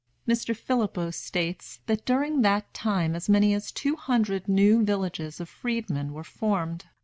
Mr. Phillippo states, that during that time as many as two hundred new villages of freedmen were formed.